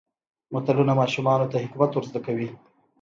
متلونه ماشومانو ته حکمت ور زده کوي.